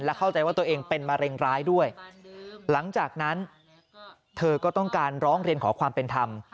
เข้าใจว่าตัวเองเป็นมะเร็งร้ายด้วยหลังจากนั้นเธอก็ต้องการร้องเรียนขอความเป็นธรรม